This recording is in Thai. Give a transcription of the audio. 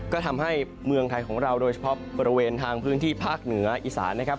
ก็ทำให้เมืองไทยของเราโดยเฉพาะบริเวณทางพื้นที่ภาคเหนืออีสานนะครับ